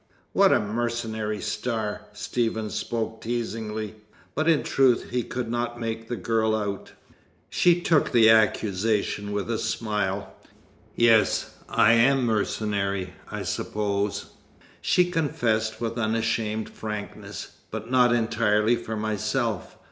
"What a mercenary star!" Stephen spoke teasingly; but in truth he could not make the girl out. She took the accusation with a smile. "Yes, I am mercenary, I suppose," she confessed with unashamed frankness, "but not entirely for myself.